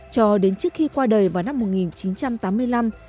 cho đến trước khi qua đời vào năm một nghìn chín trăm tám mươi năm